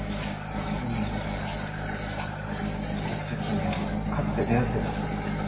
でも僕と君はかつて出会ってた。